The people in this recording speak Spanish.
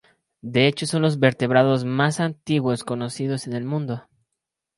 De hecho son los vertebrados más antiguos conocidos en el mundo.